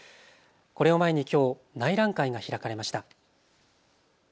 これを前にきょう内覧会が開かれました。